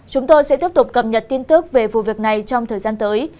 chúng tôi sẽ tiếp tục cập nhật tin tức về vụ việc này trong thời gian tới